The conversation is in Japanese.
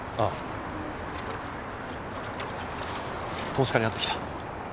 投資家に会ってきた。